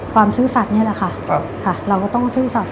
ซื่อสัตว์นี่แหละค่ะเราก็ต้องซื่อสัตว